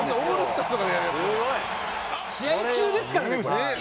試合中ですからねこれ。